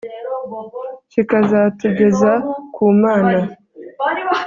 kikazatugeza ku mana